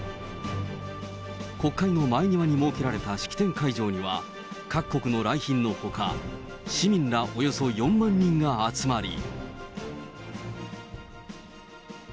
国会の前庭に設けられた式典会場には、各国の来賓のほか、市民らおよそ４万人が集まり。